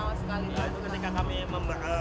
nah itu ketika kami membaca